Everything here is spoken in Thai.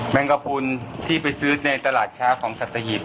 งกระพุนที่ไปซื้อในตลาดเช้าของสัตหิบ